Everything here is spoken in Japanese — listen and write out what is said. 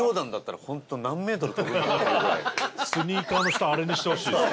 富澤：スニーカーの下あれにしてほしい。